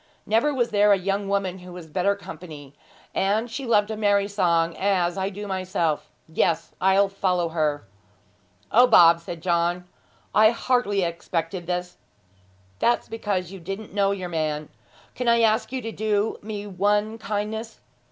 Never was there a young woman who was better company; and she loved a merry song as I do myself. Yes, I'll follow her.' 'O, Bob,' said John; 'I hardly expected this!' 'That's because you didn't know your man. Can I ask you to do me one kindness?